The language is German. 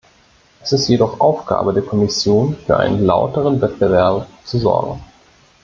Es ist jedoch Aufgabe der Kommission, für einen lauteren Wettbewerb zu sorgen.